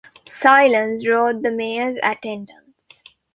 ‘Silence!’ roared the mayor’s attendants.